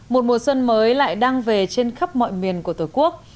một mùa xuân mới lại đang về trên khắp mọi miền của tổ quốc